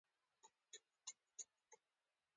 دغه ډول جبر کېدای شي په باربادوس او جامیکا کې مرسته کړې وي